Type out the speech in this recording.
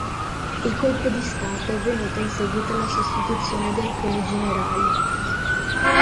Il colpo di Stato è avvenuto in seguito alla sostituzione di alcuni generali.